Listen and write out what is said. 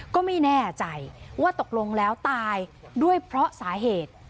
ก็ไม่แน่ใจว่าตกลงแล้วตายด้วยเพราะสาเหตุ